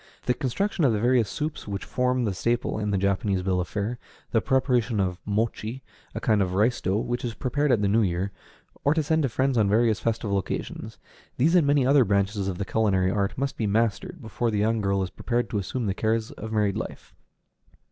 The construction of the various soups which form the staple in the Japanese bill of fare; the preparation of mochi, a kind of rice dough, which is prepared at the New Year, or to send to friends on various festival occasions: these and many other branches of the culinary art must be mastered before the young girl is prepared to assume the cares of married life.